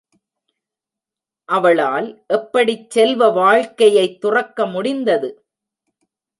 அவளால் எப்படிச் செல்வ வாழ்க்கையைத் துறக்க முடிந்தது?